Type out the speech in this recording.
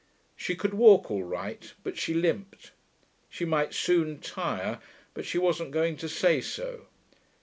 She could walk all right, but she limped. She might soon tire, but she wasn't going to say so.